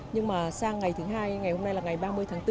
nhưng mà sang ngày thứ hai ngày hôm nay là ngày ba mươi tháng bốn